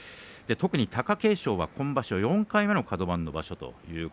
特に貴景勝は今場所４回目のカド番です。